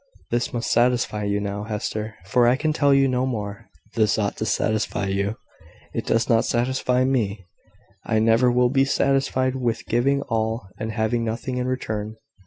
This must satisfy you now, Hester; for I can tell you no more. This ought to satisfy you." "It does not satisfy me. I never will be satisfied with giving all, and having nothing in return.